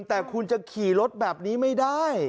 แต่คุณจะขี่รถแบบนี้ไม่ได้